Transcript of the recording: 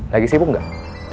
lagi sibuk gak